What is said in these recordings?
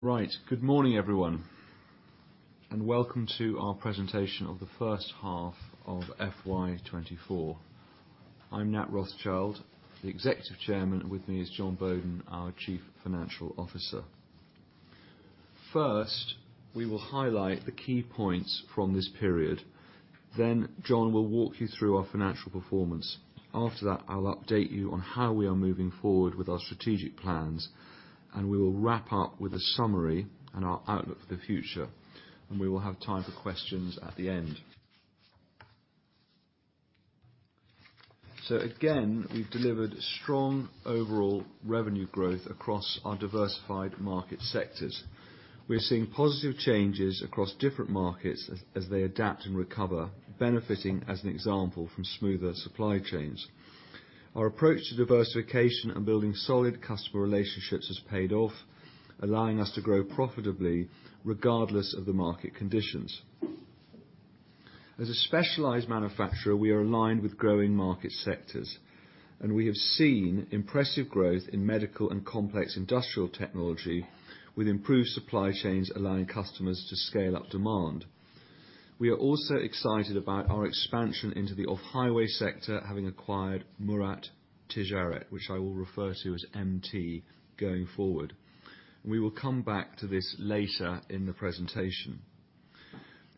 Right. Good morning, everyone, and welcome to our presentation of the first half of FY 2024. I'm Nat Rothschild, the Executive Chairman, and with me is Jon Boaden, our Chief Financial Officer. First, we will highlight the key points from this period, then Jon will walk you through our financial performance. After that, I'll update you on how we are moving forward with our strategic plans, and we will wrap up with a summary and our outlook for the future, and we will have time for questions at the end. So again, we've delivered strong overall revenue growth across our diversified market sectors. We're seeing positive changes across different markets as they adapt and recover, benefiting, as an example, from smoother supply chains. Our approach to diversification and building solid customer relationships has paid off, allowing us to grow profitably regardless of the market conditions. As a specialized manufacturer, we are aligned with growing market sectors, and we have seen impressive growth in medical and complex industrial technology, with improved supply chains allowing customers to scale up demand. We are also excited about our expansion into the off-highway sector, having acquired Murat Ticaret, which I will refer to as MT going forward. We will come back to this later in the presentation.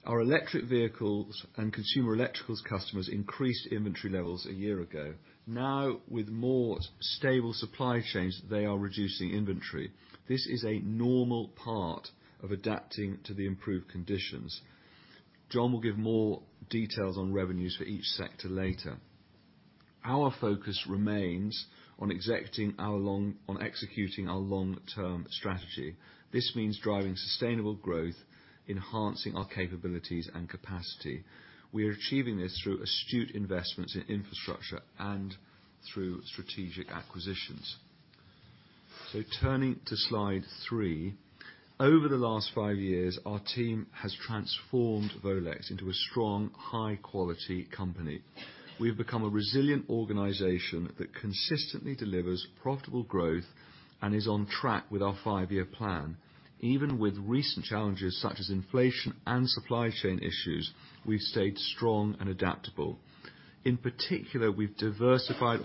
Our electric vehicles and consumer electricals customers increased inventory levels a year ago. Now, with more stable supply chains, they are reducing inventory. This is a normal part of adapting to the improved conditions. Jon will give more details on revenues for each sector later. Our focus remains on executing our long-term strategy. This means driving sustainable growth, enhancing our capabilities and capacity. We are achieving this through astute investments in infrastructure and through strategic acquisitions. Turning to Slide 3, over the last five years, our team has transformed Volex into a strong, high-quality company. We've become a resilient organization that consistently delivers profitable growth and is on track with our five-year plan. Even with recent challenges, such as inflation and supply chain issues, we've stayed strong and adaptable. In particular, we've diversified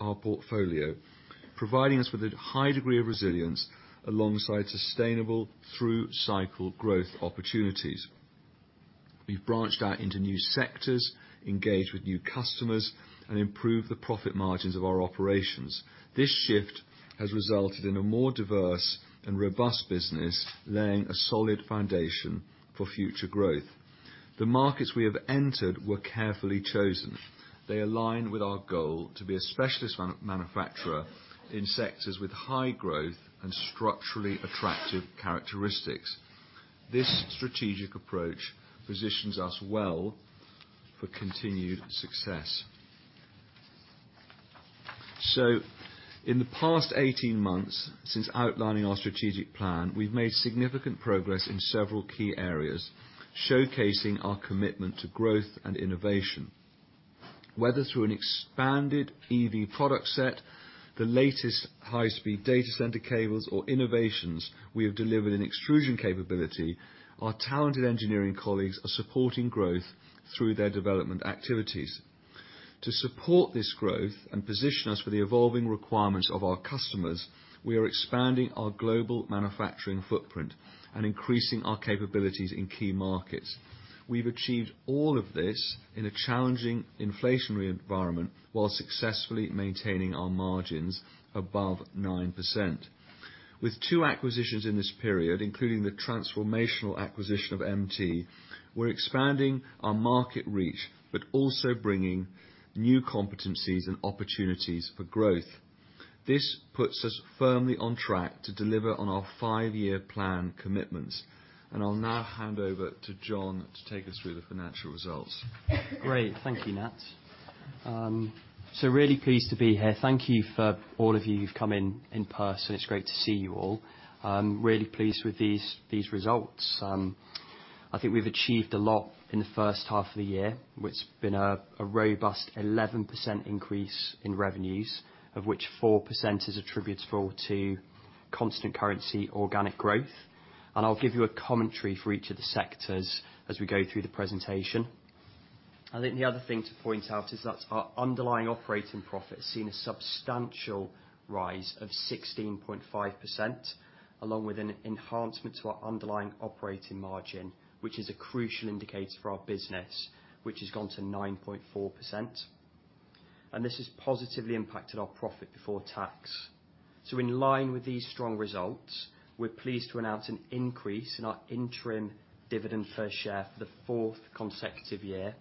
our portfolio, providing us with a high degree of resilience alongside sustainable through-cycle growth opportunities. We've branched out into new sectors, engaged with new customers, and improved the profit margins of our operations. This shift has resulted in a more diverse and robust business, laying a solid foundation for future growth. The markets we have entered were carefully chosen. They align with our goal to be a specialist manufacturer in sectors with high growth and structurally attractive characteristics. This strategic approach positions us well for continued success. In the past 18 months, since outlining our strategic plan, we've made significant progress in several key areas, showcasing our commitment to growth and innovation. Whether through an expanded EV product set, the latest high-speed data center cables, or innovations we have delivered in extrusion capability, our talented engineering colleagues are supporting growth through their development activities. To support this growth and position us for the evolving requirements of our customers, we are expanding our global manufacturing footprint and increasing our capabilities in key markets. We've achieved all of this in a challenging inflationary environment, while successfully maintaining our margins above 9%. With 2 acquisitions in this period, including the transformational acquisition of MT, we're expanding our market reach, but also bringing new competencies and opportunities for growth. This puts us firmly on track to deliver on our five-year plan commitments, and I'll now hand over to Jon to take us through the financial results. Great. Thank you, Nat. So really pleased to be here. Thank you for all of you who've come in, in person. It's great to see you all. I'm really pleased with these, these results. I think we've achieved a lot in the first half of the year, which has been a robust 11% increase in revenues, of which 4% is attributable to constant currency, organic growth. I'll give you a commentary for each of the sectors as we go through the presentation. I think the other thing to point out is that our underlying operating profit has seen a substantial rise of 16.5%, along with an enhancement to our underlying operating margin, which is a crucial indicator for our business, which has gone to 9.4%, and this has positively impacted our profit before tax. In line with these strong results, we're pleased to announce an increase in our interim dividend per share for the fourth consecutive year,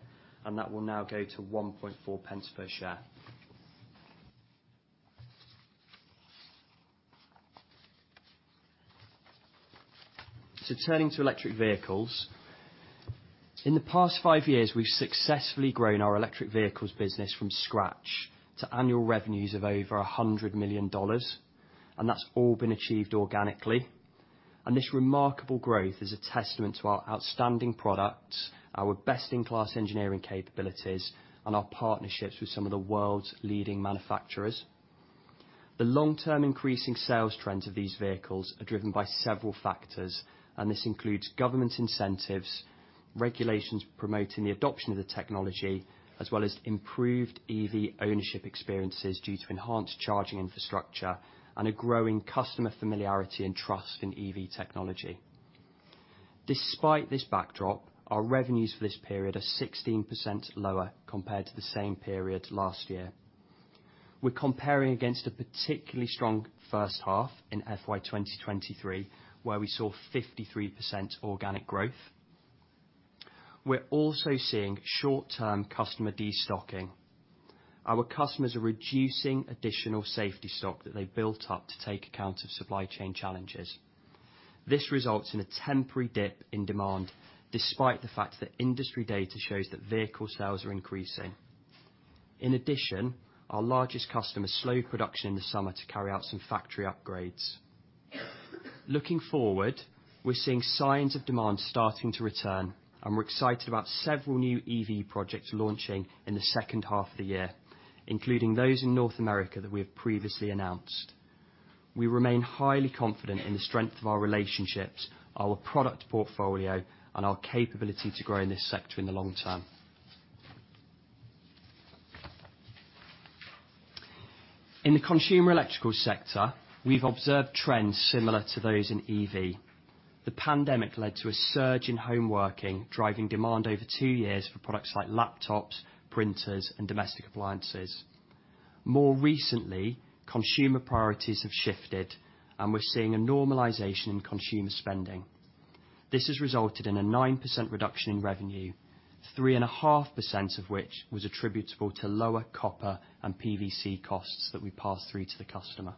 and that will now go to 1.4 pence per share. Turning to electric vehicles, in the past 5 years, we've successfully grown our electric vehicles business from scratch to annual revenues of over $100 million, and that's all been achieved organically. This remarkable growth is a testament to our outstanding products, our best-in-class engineering capabilities, and our partnerships with some of the world's leading manufacturers. The long-term increasing sales trends of these vehicles are driven by several factors, and this includes government incentives, regulations promoting the adoption of the technology, as well as improved EV ownership experiences due to enhanced charging infrastructure, and a growing customer familiarity and trust in EV technology. Despite this backdrop, our revenues for this period are 16% lower compared to the same period last year. We're comparing against a particularly strong first half in FY 2023, where we saw 53% organic growth. We're also seeing short-term customer destocking. Our customers are reducing additional safety stock that they built up to take account of supply chain challenges. This results in a temporary dip in demand, despite the fact that industry data shows that vehicle sales are increasing. In addition, our largest customer slowed production in the summer to carry out some factory upgrades. Looking forward, we're seeing signs of demand starting to return, and we're excited about several new EV projects launching in the second half of the year, including those in North America that we have previously announced. We remain highly confident in the strength of our relationships, our product portfolio, and our capability to grow in this sector in the long term. In the consumer electrical sector, we've observed trends similar to those in EV. The pandemic led to a surge in home working, driving demand over 2 years for products like laptops, printers, and domestic appliances. More recently, consumer priorities have shifted, and we're seeing a normalization in consumer spending. This has resulted in a 9% reduction in revenue, 3.5% of which was attributable to lower copper and PVC costs that we passed through to the customer.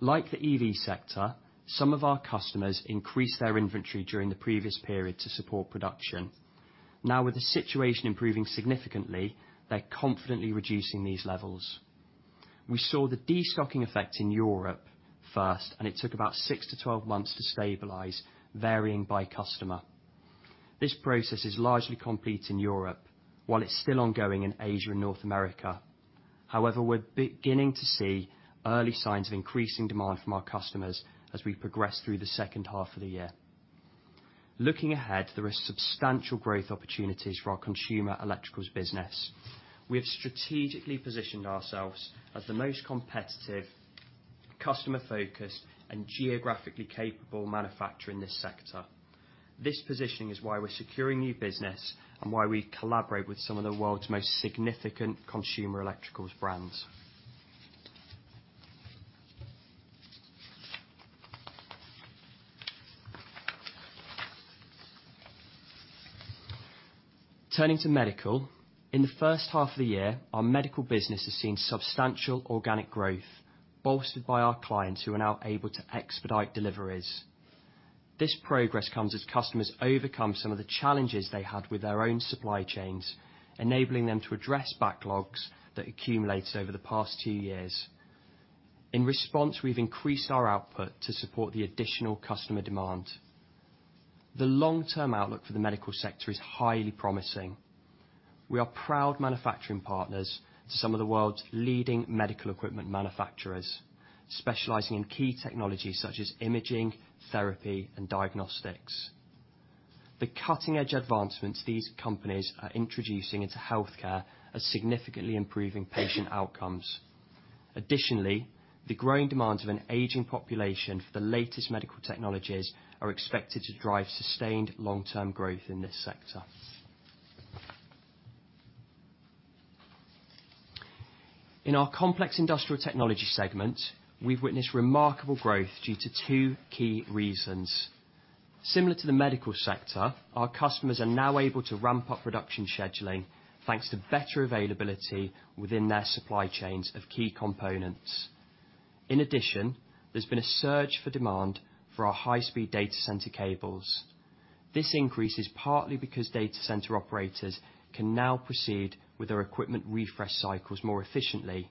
Like the EV sector, some of our customers increased their inventory during the previous period to support production. Now, with the situation improving significantly, they're confidently reducing these levels. We saw the destocking effect in Europe first, and it took about 6-12 months to stabilize, varying by customer. This process is largely complete in Europe, while it's still ongoing in Asia and North America. However, we're beginning to see early signs of increasing demand from our customers as we progress through the second half of the year. Looking ahead, there are substantial growth opportunities for our consumer electricals business. We have strategically positioned ourselves as the most competitive, customer-focused, and geographically capable manufacturer in this sector. This positioning is why we're securing new business and why we collaborate with some of the world's most significant consumer electricals brands. Turning to medical. In the first half of the year, our medical business has seen substantial organic growth, bolstered by our clients who are now able to expedite deliveries. This progress comes as customers overcome some of the challenges they had with their own supply chains, enabling them to address backlogs that accumulated over the past two years. In response, we've increased our output to support the additional customer demand. The long-term outlook for the medical sector is highly promising. We are proud manufacturing partners to some of the world's leading medical equipment manufacturers, specializing in key technologies such as imaging, therapy, and diagnostics. The cutting-edge advancements these companies are introducing into healthcare are significantly improving patient outcomes. Additionally, the growing demands of an aging population for the latest medical technologies are expected to drive sustained long-term growth in this sector. In our complex industrial technology segment, we've witnessed remarkable growth due to two key reasons. Similar to the medical sector, our customers are now able to ramp up production scheduling, thanks to better availability within their supply chains of key components. In addition, there's been a surge for demand for our high-speed data center cables. This increase is partly because data center operators can now proceed with their equipment refresh cycles more efficiently.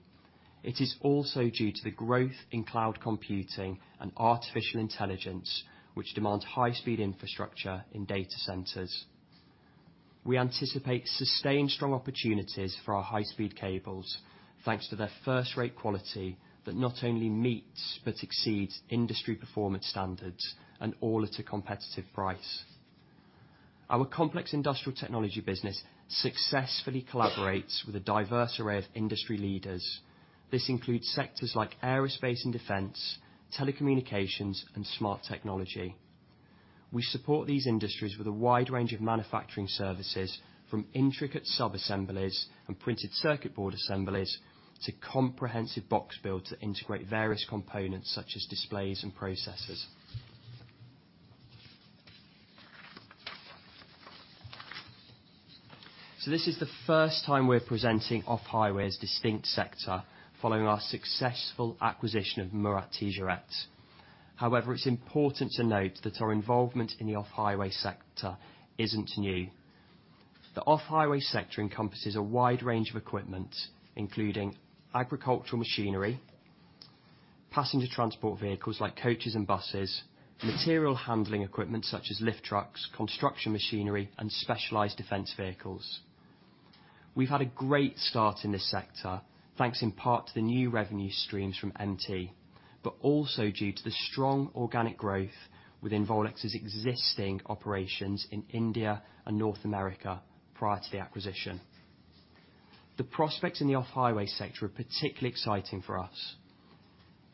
It is also due to the growth in cloud computing and artificial intelligence, which demand high-speed infrastructure in data centers. We anticipate sustained, strong opportunities for our high-speed cables, thanks to their first-rate quality that not only meets but exceeds industry performance standards, and all at a competitive price. Our complex industrial technology business successfully collaborates with a diverse array of industry leaders. This includes sectors like aerospace and defense, telecommunications, and smart technology. We support these industries with a wide range of manufacturing services, from intricate subassemblies and printed circuit board assemblies, to comprehensive box builds that integrate various components such as displays and processors. So this is the first time we're presenting off-highway as a distinct sector following our successful acquisition of Murat Ticaret. However, it's important to note that our involvement in the off-highway sector isn't new. The off-highway sector encompasses a wide range of equipment, including agricultural machinery, passenger transport vehicles like coaches and buses, material handling equipment such as lift trucks, construction machinery, and specialized defense vehicles. We've had a great start in this sector, thanks in part to the new revenue streams from MT, but also due to the strong organic growth within Volex's existing operations in India and North America prior to the acquisition. The prospects in the off-highway sector are particularly exciting for us.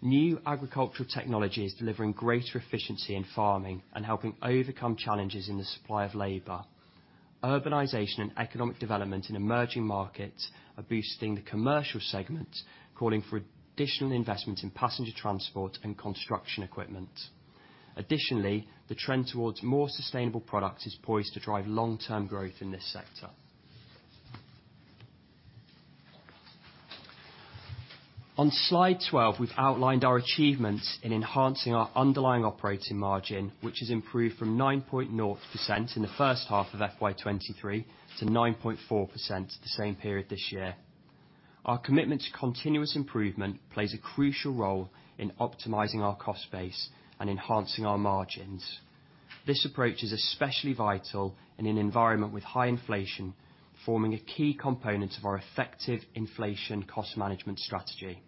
New agricultural technology is delivering greater efficiency in farming and helping overcome challenges in the supply of labor. Urbanization and economic development in emerging markets are boosting the commercial segment, calling for additional investment in passenger transport and construction equipment. Additionally, the trend towards more sustainable products is poised to drive long-term growth in this sector. On Slide 12, we've outlined our achievements in enhancing our underlying operating margin, which has improved from 9.0% in the first half of FY 2023 to 9.4% the same period this year. Our commitment to continuous improvement plays a crucial role in optimizing our cost base and enhancing our margins. This approach is especially vital in an environment with high inflation, forming a key component of our effective inflation cost management strategy.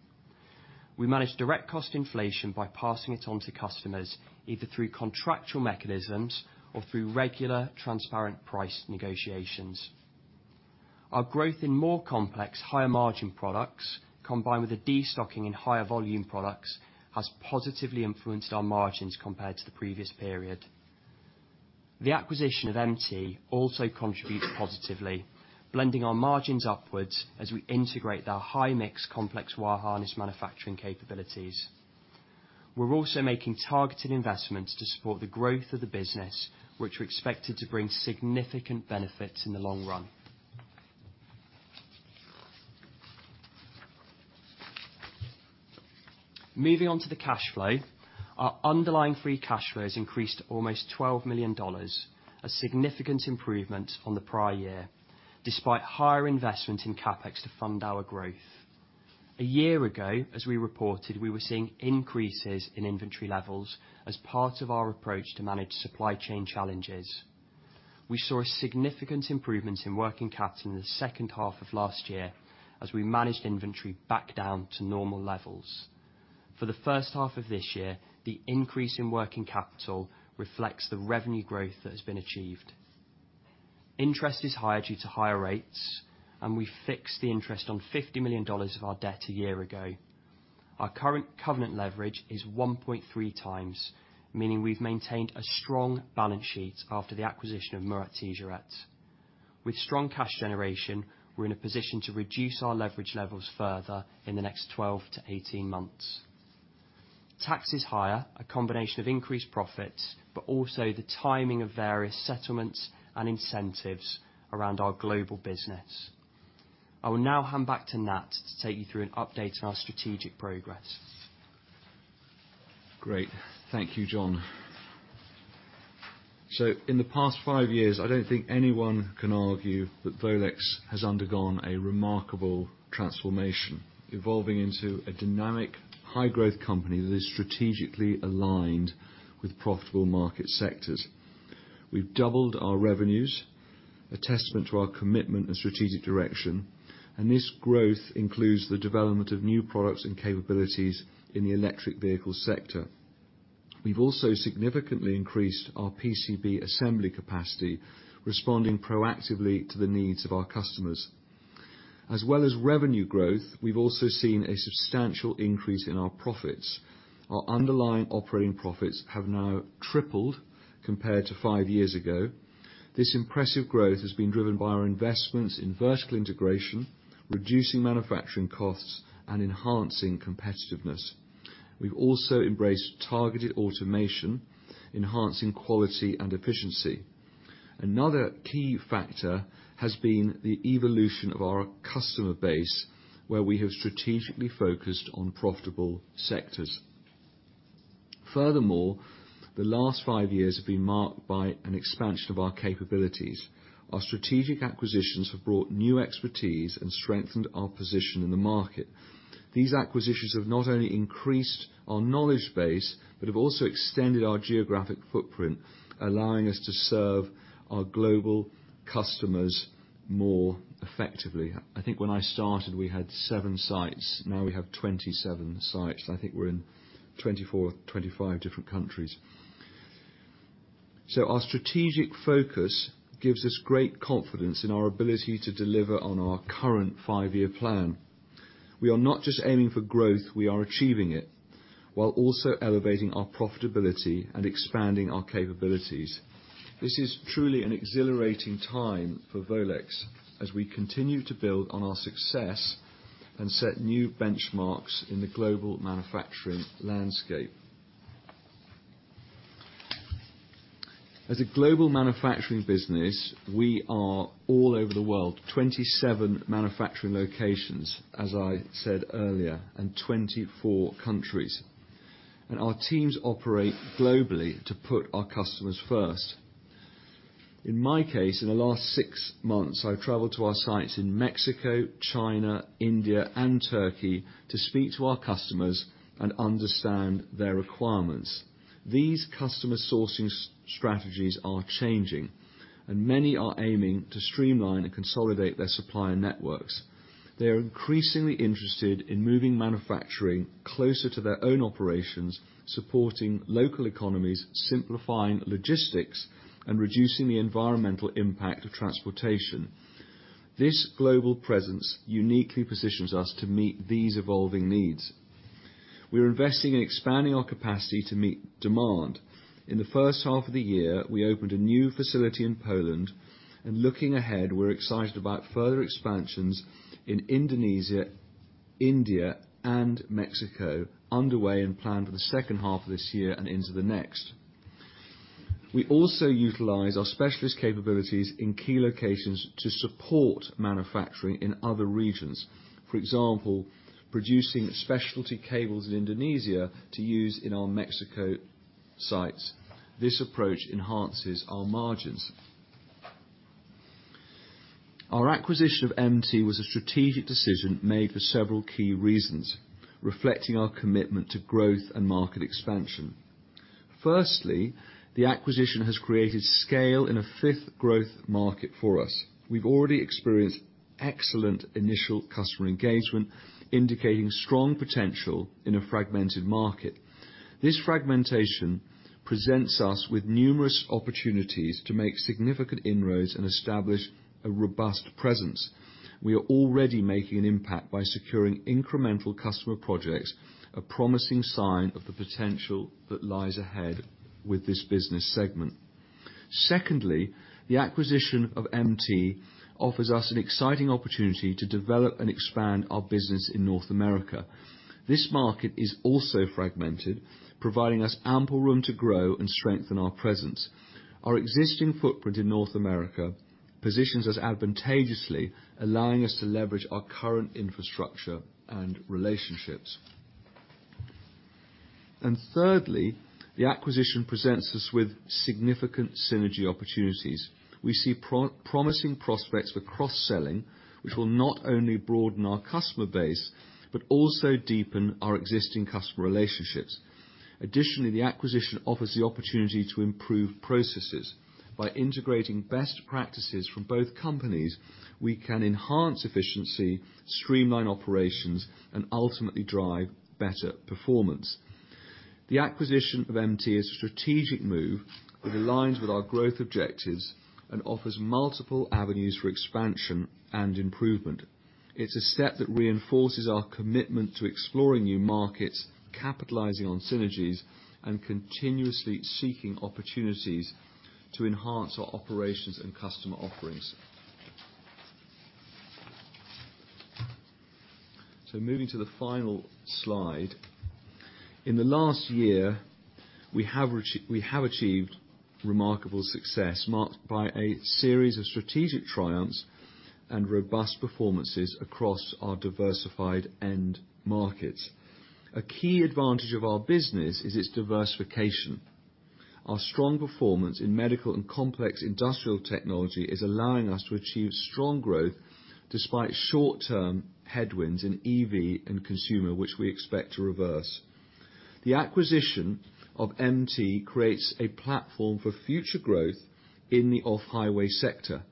We manage direct cost inflation by passing it on to customers, either through contractual mechanisms or through regular, transparent price negotiations. Our growth in more complex, higher margin products, combined with a destocking in higher volume products, has positively influenced our margins compared to the previous period. The acquisition of MT also contributes positively, blending our margins upwards as we integrate their high-mix, complex wire harness manufacturing capabilities. We're also making targeted investments to support the growth of the business, which are expected to bring significant benefits in the long run. Moving on to the cash flow, our underlying free cash flow has increased to almost $12 million, a significant improvement on the prior year, despite higher investment in CapEx to fund our growth. A year ago, as we reported, we were seeing increases in inventory levels as part of our approach to manage supply chain challenges. We saw a significant improvement in working capital in the second half of last year as we managed inventory back down to normal levels. For the first half of this year, the increase in working capital reflects the revenue growth that has been achieved. Interest is higher due to higher rates, and we fixed the interest on $50 million of our debt a year ago. Our current covenant leverage is 1.3x, meaning we've maintained a strong balance sheet after the acquisition of Murat Ticaret. With strong cash generation, we're in a position to reduce our leverage levels further in the next 12-18 months. Tax is higher, a combination of increased profits, but also the timing of various settlements and incentives around our global business. I will now hand back to Nat to take you through an update on our strategic progress. Great. Thank you, Jon. In the past five years, I don't think anyone can argue that Volex has undergone a remarkable transformation, evolving into a dynamic, high-growth company that is strategically aligned with profitable market sectors. We've doubled our revenues, a testament to our commitment and strategic direction, and this growth includes the development of new products and capabilities in the electric vehicle sector. We've also significantly increased our PCB assembly capacity, responding proactively to the needs of our customers. As well as revenue growth, we've also seen a substantial increase in our profits. Our underlying operating profits have now tripled compared to five years ago. This impressive growth has been driven by our investments in vertical integration, reducing manufacturing costs, and enhancing competitiveness. We've also embraced targeted automation, enhancing quality and efficiency. Another key factor has been the evolution of our customer base, where we have strategically focused on profitable sectors. Furthermore, the last 5 years have been marked by an expansion of our capabilities. Our strategic acquisitions have brought new expertise and strengthened our position in the market. These acquisitions have not only increased our knowledge base, but have also extended our geographic footprint, allowing us to serve our global customers more effectively. I think when I started, we had 7 sites. Now we have 27 sites, and I think we're in 24, 25 different countries. So our strategic focus gives us great confidence in our ability to deliver on our current 5-year plan. We are not just aiming for growth, we are achieving it, while also elevating our profitability and expanding our capabilities. This is truly an exhilarating time for Volex as we continue to build on our success and set new benchmarks in the global manufacturing landscape. As a global manufacturing business, we are all over the world. 27 manufacturing locations, as I said earlier, and 24 countries, and our teams operate globally to put our customers first. In my case, in the last six months, I've traveled to our sites in Mexico, China, India, and Turkey to speak to our customers and understand their requirements. These customer sourcing strategies are changing, and many are aiming to streamline and consolidate their supplier networks. They are increasingly interested in moving manufacturing closer to their own operations, supporting local economies, simplifying logistics, and reducing the environmental impact of transportation. This global presence uniquely positions us to meet these evolving needs. We are investing in expanding our capacity to meet demand. In the first half of the year, we opened a new facility in Poland, and looking ahead, we're excited about further expansions in Indonesia, India, and Mexico, underway and planned for the second half of this year and into the next. We also utilize our specialist capabilities in key locations to support manufacturing in other regions. For example, producing specialty cables in Indonesia to use in our Mexico sites. This approach enhances our margins. Our acquisition of MT was a strategic decision made for several key reasons, reflecting our commitment to growth and market expansion. Firstly, the acquisition has created scale in a fifth growth market for us. We've already experienced excellent initial customer engagement, indicating strong potential in a fragmented market. This fragmentation presents us with numerous opportunities to make significant inroads and establish a robust presence. We are already making an impact by securing incremental customer projects, a promising sign of the potential that lies ahead with this business segment. Secondly, the acquisition of MT offers us an exciting opportunity to develop and expand our business in North America. This market is also fragmented, providing us ample room to grow and strengthen our presence. Our existing footprint in North America positions us advantageously, allowing us to leverage our current infrastructure and relationships. Thirdly, the acquisition presents us with significant synergy opportunities. We see promising prospects for cross-selling, which will not only broaden our customer base, but also deepen our existing customer relationships. Additionally, the acquisition offers the opportunity to improve processes. By integrating best practices from both companies, we can enhance efficiency, streamline operations, and ultimately drive better performance. The acquisition of MT is a strategic move that aligns with our growth objectives and offers multiple avenues for expansion and improvement. It's a step that reinforces our commitment to exploring new markets, capitalizing on synergies, and continuously seeking opportunities to enhance our operations and customer offerings. So moving to the final slide. In the last year, we have achieved remarkable success, marked by a series of strategic triumphs and robust performances across our diversified end markets. A key advantage of our business is its diversification. Our strong performance in medical and complex industrial technology is allowing us to achieve strong growth despite short-term headwinds in EV and consumer, which we expect to reverse. The acquisition of MT creates a platform for future growth in the off-highway sector.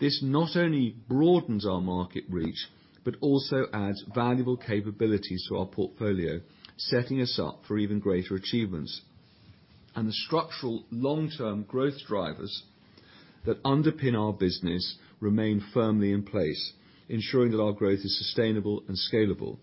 This not only broadens our market reach, but also adds valuable capabilities to our portfolio, setting us up for even greater achievements. The structural long-term growth drivers that underpin our business remain firmly in place, ensuring that our growth is sustainable and scalable.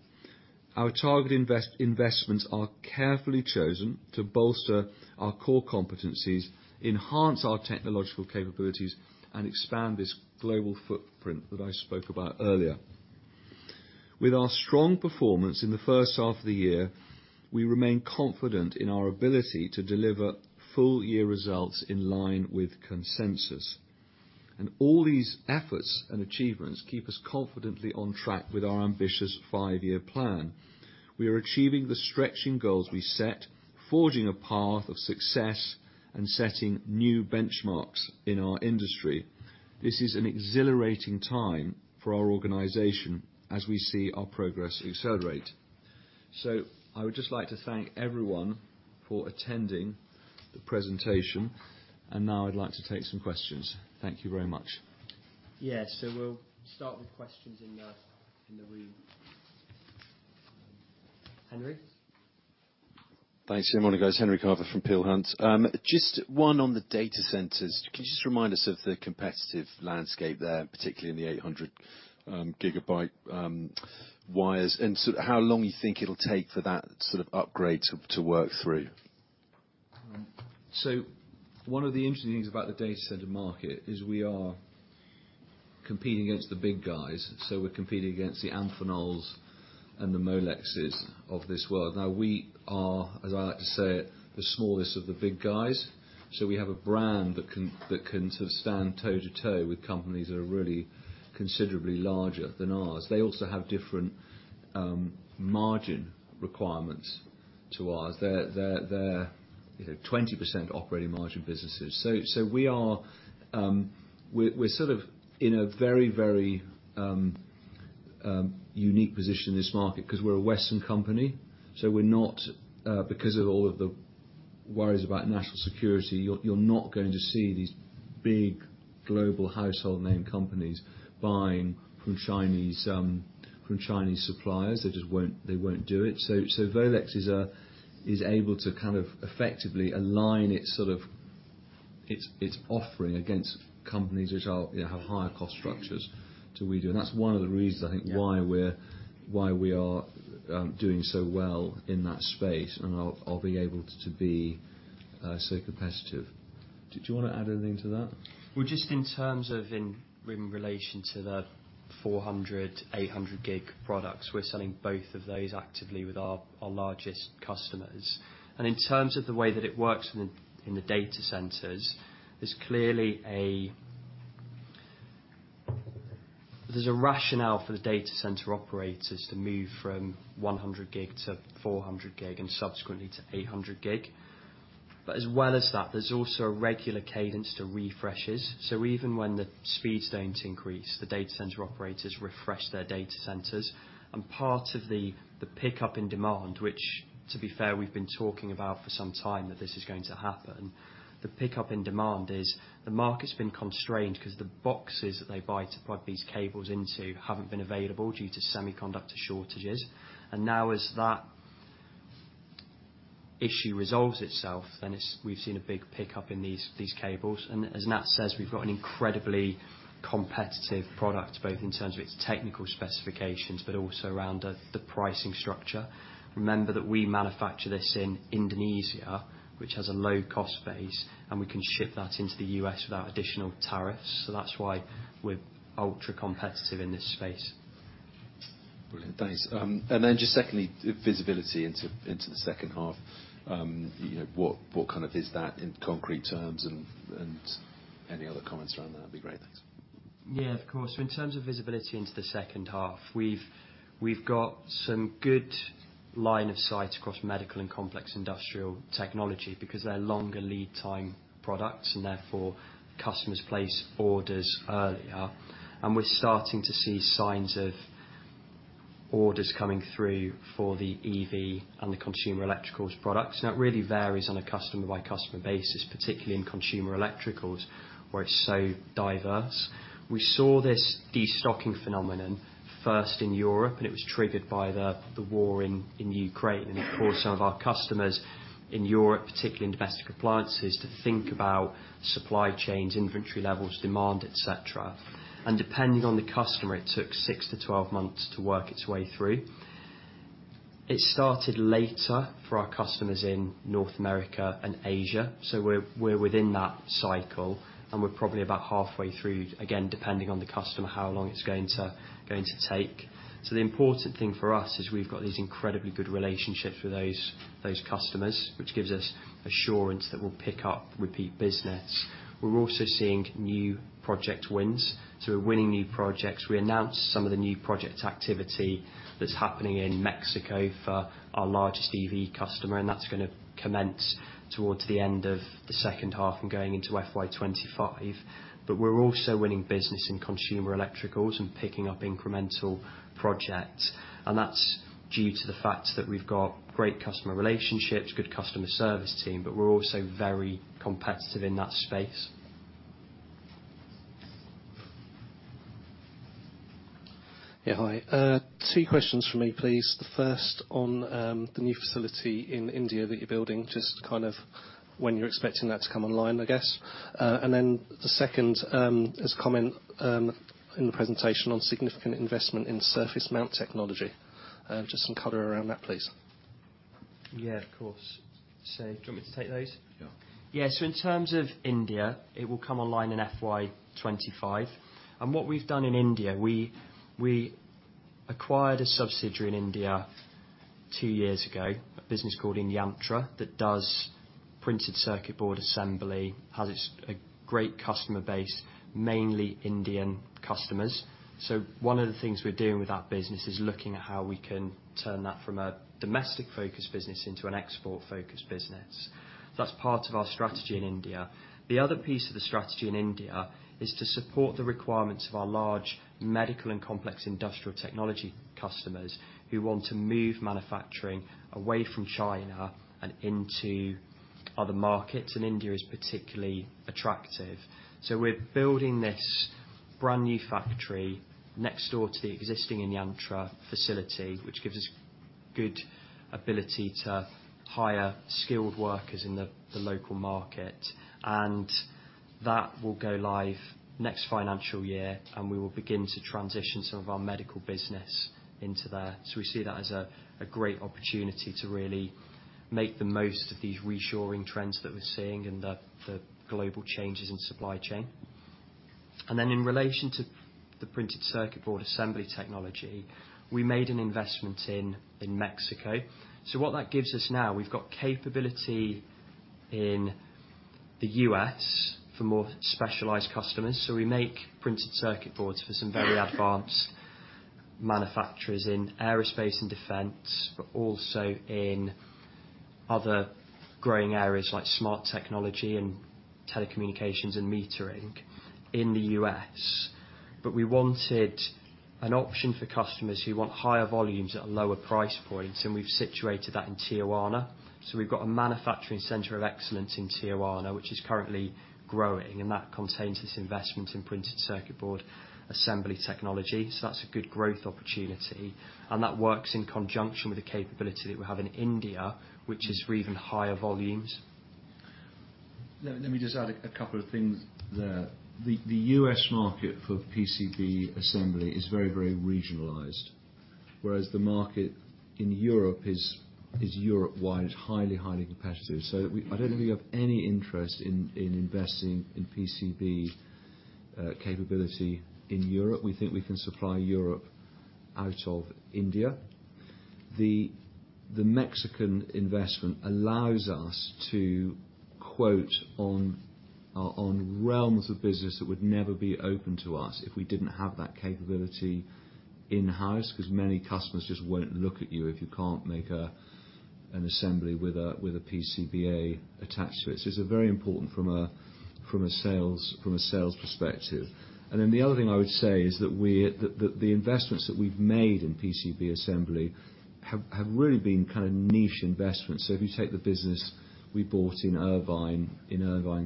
Our target investments are carefully chosen to bolster our core competencies, enhance our technological capabilities, and expand this global footprint that I spoke about earlier. With our strong performance in the first half of the year, we remain confident in our ability to deliver full-year results in line with consensus. All these efforts and achievements keep us confidently on track with our ambitious five-year plan. We are achieving the stretching goals we set, forging a path of success, and setting new benchmarks in our industry. This is an exhilarating time for our organization as we see our progress accelerate. I would just like to thank everyone for attending the presentation, and now I'd like to take some questions. Thank you very much. Yes, so we'll start with questions in the room. Henry? Thanks. Good morning, guys. Henry Carver from Peel Hunt. Just one on the data centers. Can you just remind us of the competitive landscape there, particularly in the 800 GB wires, and sort of how long you think it'll take for that sort of upgrade to work through? So one of the interesting things about the data center market is we are competing against the big guys, so we're competing against the Amphenols and the Molexes of this world. Now, we are, as I like to say, the smallest of the big guys, so we have a brand that can, that can sort of stand toe-to-toe with companies that are really considerably larger than ours. They also have different margin requirements to ours. They're you know, 20% operating margin businesses. So we are, we're sort of in a very unique position in this market 'cause we're a Western company, so we're not because of all of the worries about national security, you're not going to see these big global household name companies buying from Chinese from Chinese suppliers. They just won't. They won't do it. So, Volex is able to kind of effectively align its sort of, its offering against companies which are, you know, have higher cost structures than we do. And that's one of the reasons, I think- Yeah... why we are doing so well in that space, and are being able to be so competitive. Did you wanna add anything to that? Well, just in terms of in relation to the 400 GB, 800 GB products, we're selling both of those actively with our largest customers. And in terms of the way that it works in the data centers, there's clearly a... There's a rationale for the data center operators to move from 100 GB to 400 GB, and subsequently to 800 GB. But as well as that, there's also a regular cadence to refreshes. So even when the speeds don't increase, the data center operators refresh their data centers. And part of the pickup in demand, which, to be fair, we've been talking about for some time, that this is going to happen. The pickup in demand is, the market's been constrained 'cause the boxes that they buy to plug these cables into haven't been available due to semiconductor shortages. Now, as that issue resolves itself, then it's—we've seen a big pickup in these, these cables, and as Nat says, we've got an incredibly competitive product, both in terms of its technical specifications, but also around the, the pricing structure. Remember that we manufacture this in Indonesia, which has a low cost base, and we can ship that into the U.S. without additional tariffs, so that's why we're ultra-competitive in this space. Brilliant. Thanks. And then just secondly, visibility into, into the second half. You know, what, what kind of is that in concrete terms, and, and any other comments around that would be great. Thanks. Yeah, of course. So in terms of visibility into the second half, we've, we've got some good line of sight across medical and complex industrial technology, because they're longer lead time products, and therefore, customers place orders earlier. And we're starting to see signs of orders coming through for the EV and the consumer electricals products. Now, it really varies on a customer-by-customer basis, particularly in consumer electricals, where it's so diverse. We saw this destocking phenomenon first in Europe, and it was triggered by the, the war in, in Ukraine, and of course, some of our customers in Europe, particularly in domestic appliances, to think about supply chains, inventory levels, demand, et cetera. And depending on the customer, it took 6-12 months to work its way through. It started later for our customers in North America and Asia, so we're, we're within that cycle, and we're probably about halfway through, again, depending on the customer, how long it's going to, going to take. So the important thing for us is we've got these incredibly good relationships with those, those customers, which gives us assurance that we'll pick up repeat business. We're also seeing new project wins, so we're winning new projects. We announced some of the new project activity that's happening in Mexico for our largest EV customer, and that's gonna commence towards the end of the second half and going into FY 2025. But we're also winning business in consumer electricals and picking up incremental projects, and that's due to the fact that we've got great customer relationships, good customer service team, but we're also very competitive in that space. Yeah, hi. Two questions from me, please. The first on the new facility in India that you're building, just kind of when you're expecting that to come online, I guess. And then the second is a comment in the presentation on significant investment in Surface Mount Technology. Just some color around that, please. Yeah, of course. So do you want me to take those? Sure. Yeah, so in terms of India, it will come online in FY 2025. And what we've done in India, we acquired a subsidiary in India two years ago, a business called Inyantra, that does printed circuit board assembly, has a great customer base, mainly Indian customers. So one of the things we're doing with that business is looking at how we can turn that from a domestic-focused business into an export-focused business. That's part of our strategy in India. The other piece of the strategy in India is to support the requirements of our large medical and complex industrial technology customers, who want to move manufacturing away from China and into other markets, and India is particularly attractive. So we're building this brand-new factory next door to the existing Inyantra facility, which gives us good ability to hire skilled workers in the local market. And that will go live next financial year, and we will begin to transition some of our medical business into there. So we see that as a great opportunity to really make the most of these reshoring trends that we're seeing and the global changes in supply chain. And then in relation to the printed circuit board assembly technology, we made an investment in Mexico. So what that gives us now, we've got capability in the U.S. for more specialized customers. So we make printed circuit boards for some very advanced manufacturers in aerospace and defense, but also in other growing areas like smart technology and telecommunications and metering in the U.S. But we wanted an option for customers who want higher volumes at a lower price point, and we've situated that in Tijuana. We've got a manufacturing center of excellence in Tijuana, which is currently growing, and that contains this investment in printed circuit board assembly technology. So that's a good growth opportunity, and that works in conjunction with the capability that we have in India, which is for even higher volumes. Let me just add a couple of things there. The U.S. market for PCB assembly is very, very regionalized, whereas the market in Europe is Europe-wide, highly, highly competitive. So I don't think we have any interest in investing in PCB capability in Europe. We think we can supply Europe out of India. The Mexican investment allows us to quote on realms of business that would never be open to us if we didn't have that capability in-house, 'cause many customers just won't look at you if you can't make an assembly with a PCBA attached to it. So it's very important from a sales perspective. And then the other thing I would say is that the investments that we've made in PCB assembly have really been kind of niche investments. So if you take the business we bought in Irvine,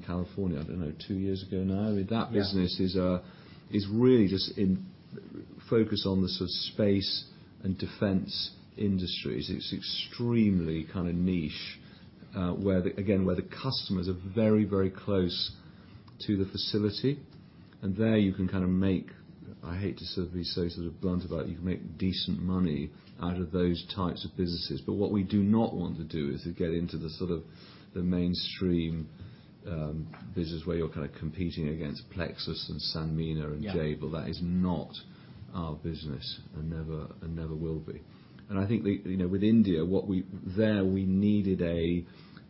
California, I don't know, 2 years ago now? Yeah. That business is really just in focus on the sort of space and defense industries. It's extremely kind of niche, again, where the customers are very, very close to the facility. There, you can kind of make, I hate to sort of be so sort of blunt about it, you can make decent money out of those types of businesses. But what we do not want to do is to get into the sort of mainstream business, where you're kind of competing against Plexus and Sanmina. Yeah and Jabil. That is not our business and never, and never will be. And I think the, you know, with India, what we... There, we needed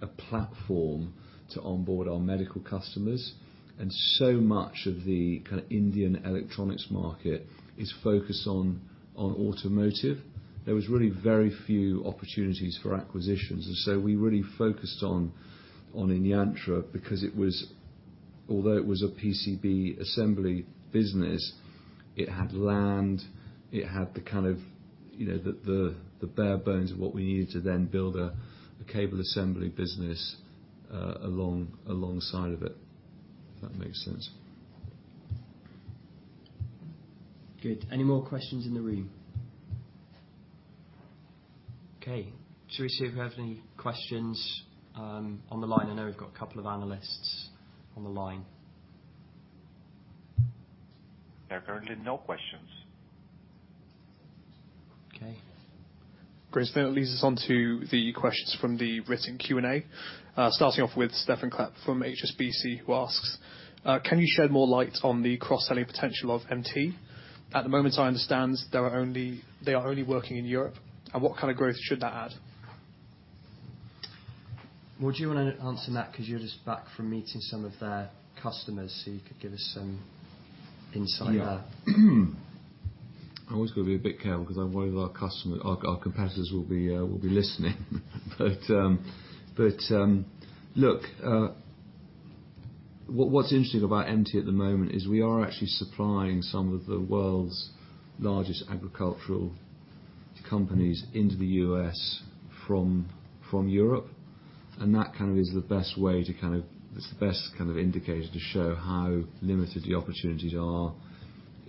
a platform to onboard our medical customers, and so much of the kind of Indian electronics market is focused on automotive. There was really very few opportunities for acquisitions, and so we really focused on Inyantra because it was, although it was a PCB assembly business, it had land, it had the kind of, you know, the bare bones of what we needed to then build a cable assembly business alongside of it, if that makes sense. Good. Any more questions in the room? Okay, should we see if we have any questions, on the line? I know we've got a couple of analysts on the line. There are currently no questions. Okay. Great. So that leads us on to the questions from the written Q&A. Starting off with Stefan from HSBC, who asks: "Can you shed more light on the cross-selling potential of MT? At the moment, I understand there are only- they are only working in Europe. And what kind of growth should that add? Would you wanna answer that? 'Cause you're just back from meeting some of their customers, so you could give us some insight there. Yeah. I always got to be a bit careful 'cause I'm worried our customer—our, our competitors will be, will be listening. But, look, what's interesting about MT at the moment is we are actually supplying some of the world's largest agricultural companies into the U.S. from Europe, and that kind of is the best way to kind of... It's the best kind of indicator to show how limited the opportunities are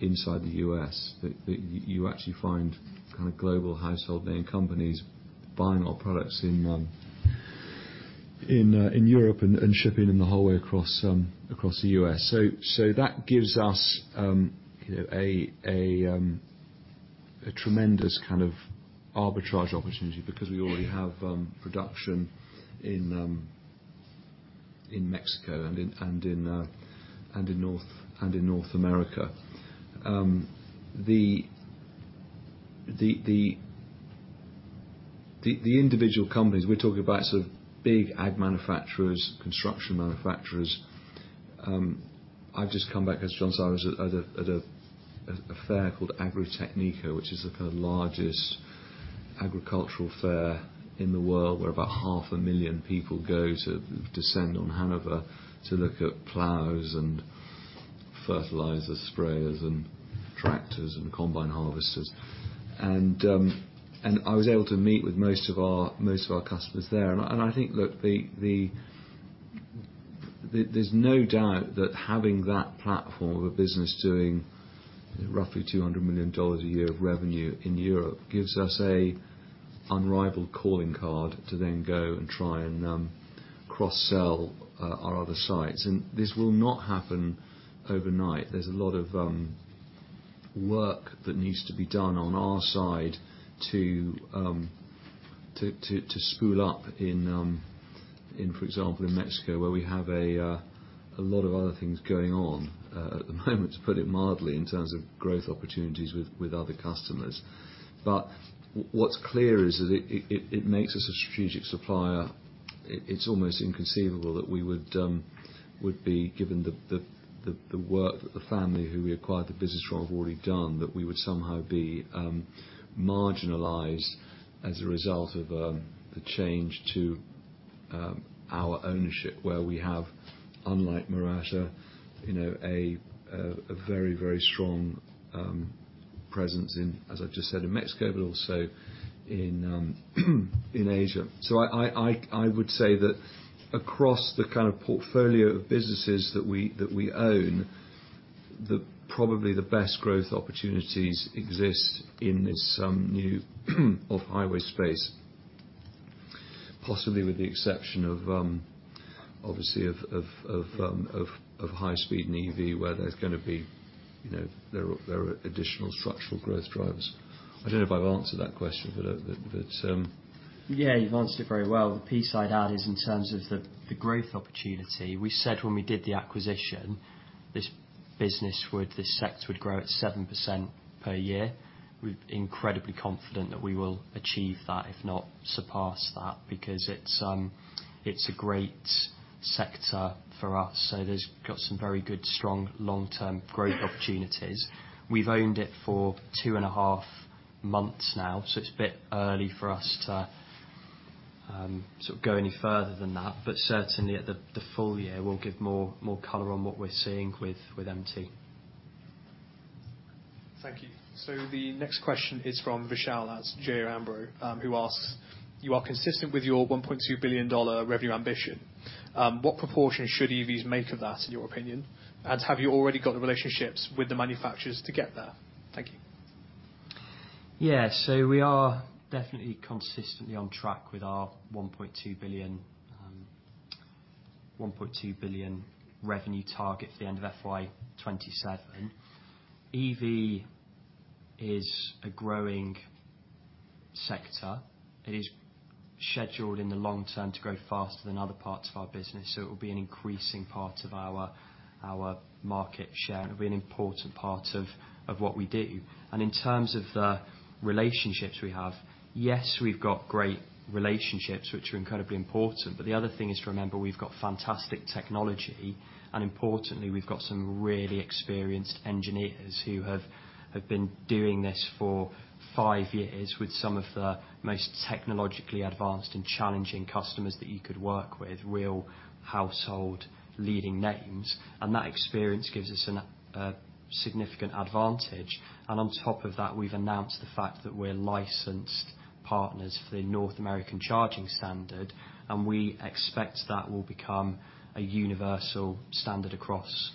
inside the U.S. That you actually find kind of global household name companies buying our products in Europe and shipping them the whole way across the U.S. So, so that gives us, you know, a tremendous kind of arbitrage opportunity because we already have production in Mexico and in North America. The individual companies, we're talking about sort of big ag manufacturers, construction manufacturers. I've just come back, as Jon said, I was at a fair called Agritechnica, which is the kind of largest agricultural fair in the world, where about 500,000 people go to descend on Hanover to look at plows and fertilizer sprayers and tractors and combine harvesters. And I was able to meet with most of our customers there. And I think, look, the... There's no doubt that having that platform of a business doing roughly $200 million a year of revenue in Europe gives us an unrivaled calling card to then go and try and cross-sell our other sites. And this will not happen overnight. There's a lot of work that needs to be done on our side to spool up in, for example, in Mexico, where we have a lot of other things going on at the moment, in terms of growth opportunities with other customers. But what's clear is that it makes us a strategic supplier. It's almost inconceivable that we would be given the work that the family who we acquired the business from have already done, that we would somehow be marginalized as a result of the change to our ownership, where we have, unlike Murat, you know, a very, very strong presence in, as I've just said, in Mexico, but also in Asia. So I would say that across the kind of portfolio of businesses that we own, the probably the best growth opportunities exist in this new off-highway space. Possibly with the exception of, obviously of high speed and EV, where there's gonna be, you know, there are additional structural growth drivers. I don't know if I've answered that question, but Yeah, you've answered it very well. The piece I'd add is in terms of the growth opportunity. We said when we did the acquisition, this business would... This sector would grow at 7% per year. We're incredibly confident that we will achieve that, if not surpass that, because it's a great sector for us, so there's got some very good, strong, long-term growth opportunities. We've owned it for two and a half months now, so it's a bit early for us to sort of go any further than that, but certainly at the full year, we'll give more color on what we're seeing with MT. Thank you. So the next question is from Vishal Amarnani, who asks: You are consistent with your $1.2 billion revenue ambition. What proportion should EVs make of that, in your opinion? And have you already got the relationships with the manufacturers to get there? Thank you. Yeah. So we are definitely consistently on track with our $1.2 billion, $1.2 billion revenue target at the end of FY 2027. EV is a growing sector. It is scheduled in the long term to grow faster than other parts of our business, so it will be an increasing part of our, our market share, and a really important part of, of what we do. And in terms of the relationships we have, yes, we've got great relationships, which are incredibly important, but the other thing is to remember, we've got fantastic technology, and importantly, we've got some really experienced engineers who have, have been doing this for five years, with some of the most technologically advanced and challenging customers that you could work with, real household leading names. And that experience gives us an significant advantage. On top of that, we've announced the fact that we're licensed partners for the North American Charging Standard, and we expect that will become a universal standard across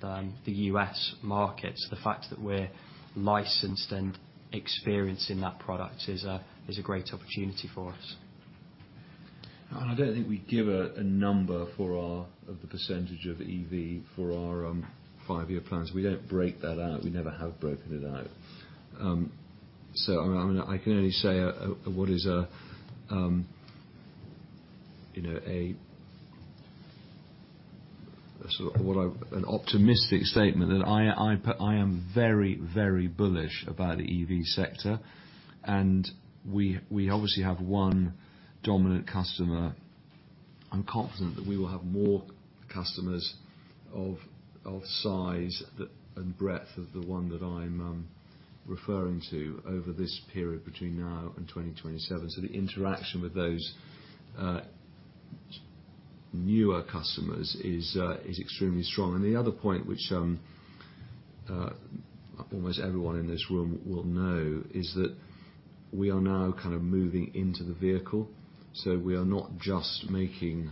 the U.S. market. So the fact that we're licensed and experienced in that product is a great opportunity for us. And I don't think we give a number for our percentage of EV for our 5-year plans. We don't break that out. We never have broken it out. So, I mean, I can only say, you know, an optimistic statement, that I am very, very bullish about the EV sector, and we obviously have one dominant customer. I'm confident that we will have more customers of size that, and breadth of the one that I'm referring to over this period between now and 2027. So the interaction with those newer customers is extremely strong. And the other point which almost everyone in this room will know, is that we are now kind of moving into the vehicle. So we are not just making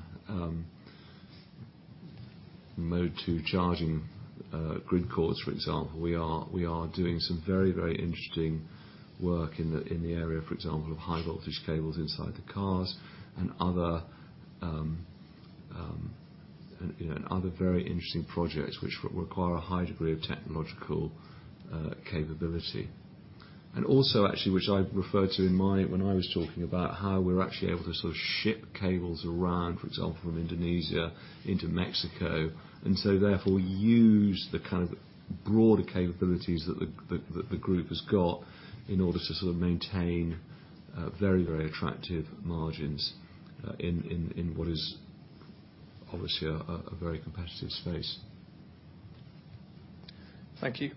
mode two charging grid cords, for example, we are doing some very, very interesting work in the area, for example, of high voltage cables inside the cars and other, you know, and other very interesting projects which require a high degree of technological capability. And also actually, which I referred to when I was talking about how we're actually able to sort of ship cables around, for example, from Indonesia into Mexico, and so therefore, use the kind of broader capabilities that the that the group has got in order to sort of maintain very, very attractive margins in what is obviously a very competitive space. Thank you.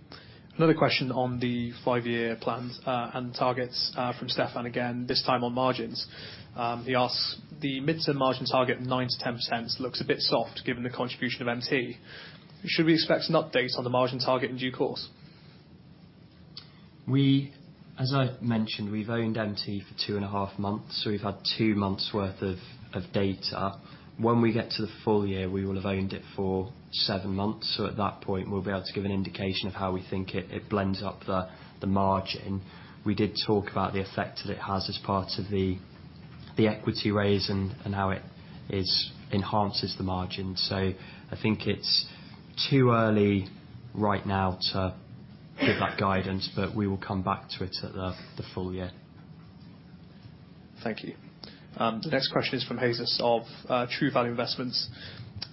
Another question on the five-year plan, and targets, from Stefan again, this time on margins. He asks, "The midterm margin target of 9%-10% looks a bit soft, given the contribution of MT. Should we expect an update on the margin target in due course? As I've mentioned, we've owned MT for 2.5 months, so we've had 2 months' worth of data. When we get to the full year, we will have owned it for 7 months, so at that point, we'll be able to give an indication of how we think it blends up the margin. We did talk about the effect that it has as part of the equity raise and how it enhances the margin. So I think it's too early right now to give that guidance, but we will come back to it at the full year. Thank you. The next question is from Vishal of True Value Investments.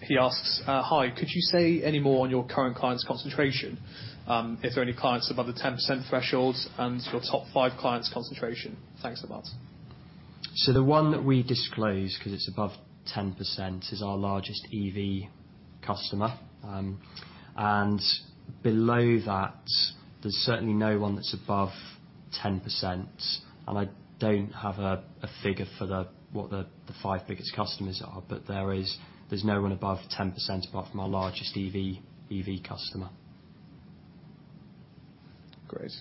He asks, "Hi, could you say any more on your current clients' concentration? If there are any clients above the 10% thresholds and your top five clients' concentration? Thanks a lot. So the one that we disclose, because it's above 10%, is our largest EV customer. And below that, there's certainly no one that's above 10%, and I don't have a figure for what the five biggest customers are, but there is—there's no one above 10%, apart from our largest EV customer. Great.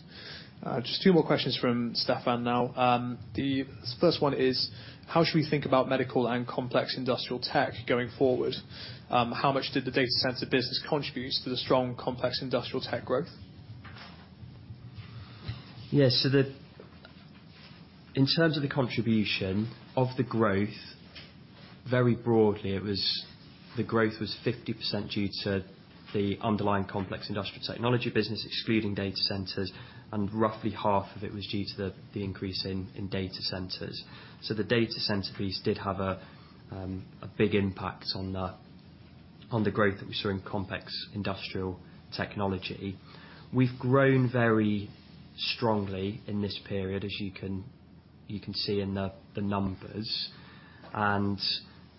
Just two more questions from Stefan now. The first one is: how should we think about medical and complex industrial tech going forward? How much did the data center business contribute to the strong, complex industrial tech growth? Yeah, so in terms of the contribution of the growth, very broadly, it was. The growth was 50% due to the underlying complex industrial technology business, excluding data centers, and roughly half of it was due to the increase in data centers. So the data center piece did have a big impact on the growth that we saw in complex industrial technology. We've grown very strongly in this period, as you can see in the numbers, and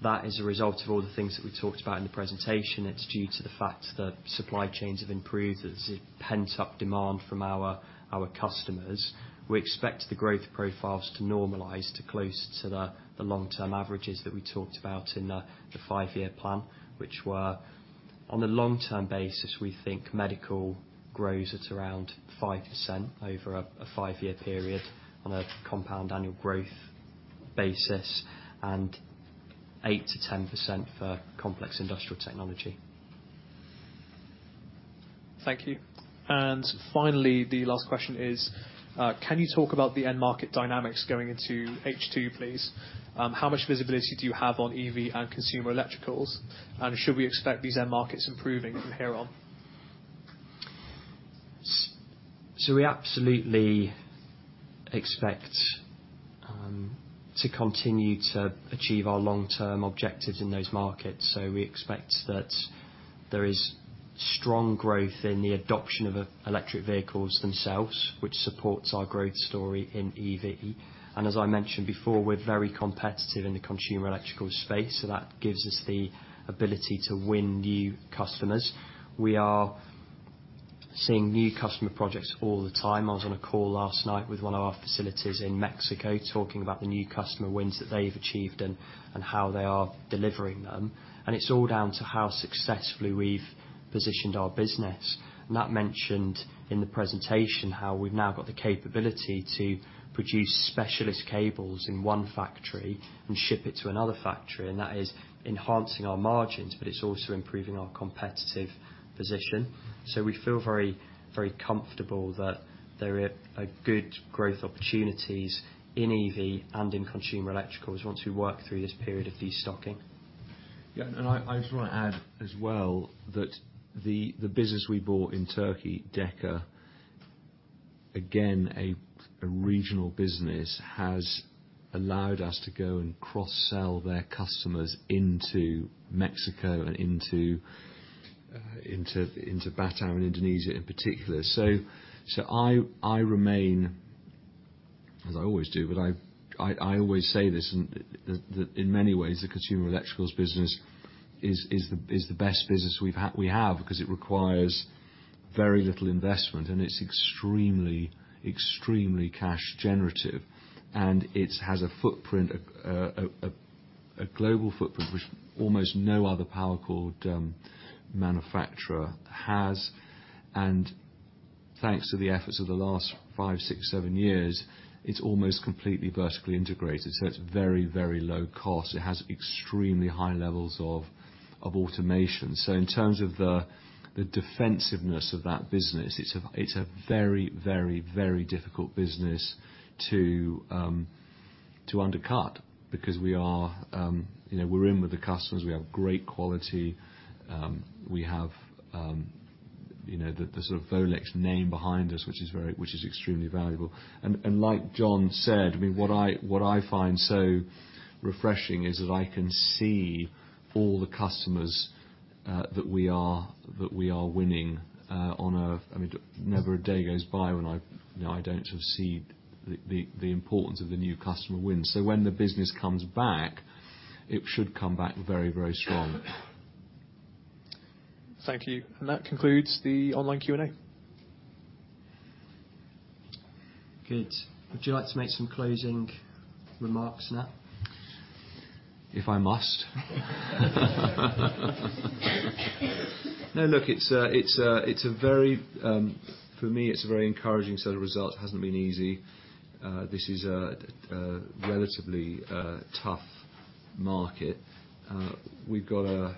that is a result of all the things that we talked about in the presentation. It's due to the fact that supply chains have improved, there's a pent-up demand from our customers. We expect the growth profiles to normalize to close to the long-term averages that we talked about in the five-year plan, which were, on a long-term basis, we think medical grows at around 5% over a five-year period on a compound annual growth basis, and 8%-10% for complex industrial technology. Thank you. Finally, the last question is: can you talk about the end market dynamics going into H2, please? How much visibility do you have on EV and consumer electricals, and should we expect these end markets improving from here on? So we absolutely expect to continue to achieve our long-term objectives in those markets. So we expect that there is strong growth in the adoption of electric vehicles themselves, which supports our growth story in EV. And as I mentioned before, we're very competitive in the consumer electrical space, so that gives us the ability to win new customers. We are seeing new customer projects all the time. I was on a call last night with one of our facilities in Mexico, talking about the new customer wins that they've achieved and how they are delivering them, and it's all down to how successfully we've positioned our business. And that mentioned, in the presentation, how we've now got the capability to produce specialist cables in one factory and ship it to another factory, and that is enhancing our margins, but it's also improving our competitive position. We feel very, very comfortable that there are a good growth opportunities in EV and in consumer electricals, once we work through this period of destocking. Yeah, and I just want to add as well that the business we bought in Turkey, Deka, again a regional business, has allowed us to go and cross-sell their customers into Mexico and into Batam in Indonesia in particular. So I remain, as I always do, but I always say this, and that in many ways, the consumer electricals business is the best business we have, because it requires very little investment, and it's extremely cash generative. And it has a global footprint, which almost no other power cord manufacturer has. And thanks to the efforts of the last five, six, seven years, it's almost completely vertically integrated, so it's very low cost. It has extremely high levels of automation. So in terms of the defensiveness of that business, it's a very, very, very difficult business to undercut, because we are, you know, we're in with the customers. We have great quality. We have, you know, the sort of Volex name behind us, which is very, which is extremely valuable. And like Jon said, I mean, what I find so refreshing is that I can see all the customers that we are winning on a... I mean, never a day goes by when I, you know, I don't sort of see the importance of the new customer wins. So when the business comes back, it should come back very, very strong. Thank you. That concludes the online Q&A. Good. Would you like to make some closing remarks, now? If I must. No, look, it's a very encouraging set of results. It hasn't been easy. This is a relatively tough market. We've got a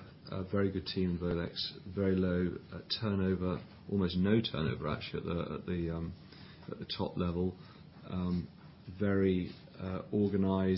very good team in Volex, very low turnover. Almost no turnover, actually, at the top level. Very organized-